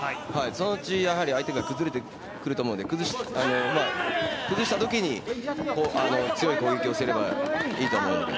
そのうちやはり相手が崩れてくると思うので崩したときに、強い攻撃をすればいいと思うので。